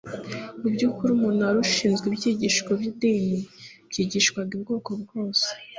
Mu by'ukuri umuntu wari ushinzwe ibyigisho by'idini byigishwaga ubwoko bwose,